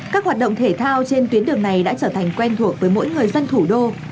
các hoạt động thể thao trên tuyến đường này đã trở thành quen thuộc với mỗi người dân thủ đô